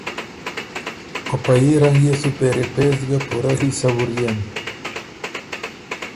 په پۀ يي رنګ يېسُو پېری پېڅ ګۀ پُورۀ حصه وُریېن۔